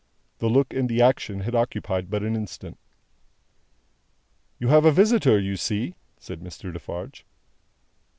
The look and the action had occupied but an instant. "You have a visitor, you see," said Monsieur Defarge.